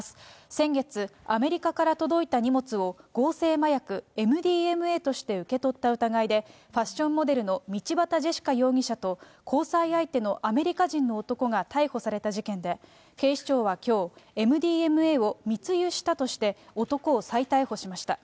先月、アメリカから届いた荷物を、合成麻薬ＭＤＭＡとして受け取った疑いで、ファッションモデルの道端ジェシカ容疑者と交際相手のアメリカ人の男が逮捕された事件で、警視庁はきょう、ＭＤＭＡを密輸したとして、男を再逮捕しました。